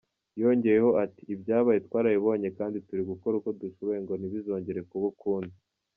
Yongeyeho ati “Ibyabaye twarabibonye kandi turi gukora uko dushoboye ngo ntibizongere kuba ukundi.